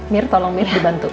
mir tolong mir dibantu